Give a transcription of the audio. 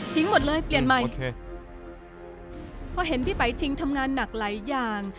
หมดเลยเปลี่ยนใหม่พอเห็นพี่ไปจริงทำงานหนักหลายอย่าง